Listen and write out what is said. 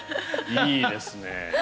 いいですね。